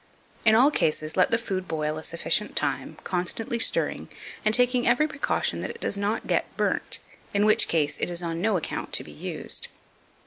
In all cases, let the food boil a sufficient time, constantly stirring, and taking every precaution that it does not get burnt, in which case it is on no account to be used.